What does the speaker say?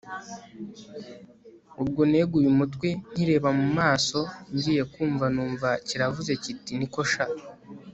ubwo neguye umutwe nkireba mumaso ngiye kumva numva kiravuze kiti niko sha